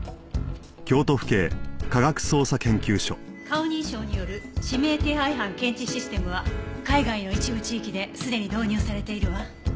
顔認証による指名手配犯検知システムは海外の一部地域ですでに導入されているわ。